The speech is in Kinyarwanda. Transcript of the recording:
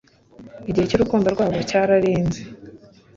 Igihe cy'urukundo rwabo cyararenze